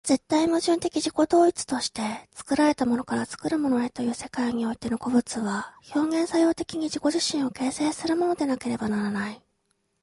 絶対矛盾的自己同一として、作られたものから作るものへという世界においての個物は、表現作用的に自己自身を形成するものでなければならない。